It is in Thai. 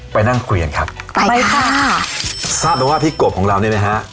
ไปนั่งเกวียนครับไปไปค่ะทราบแล้วว่าพี่กบของเรานี่นะฮะ